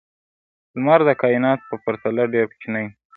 لمر د کائناتو په پرتله ډېر کوچنی دی.